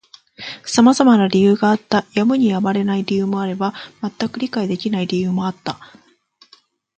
様々な理由があった。やむにやまれない理由もあれば、全く理解できない理由もあった。